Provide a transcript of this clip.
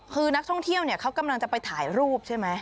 คือนักท่องเที่ยวเนี่ยเขากำลังจะไปถ่ายรูปใช่ไหม